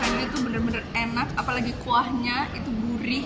dagingnya tuh bener bener enak apalagi kuahnya itu gurih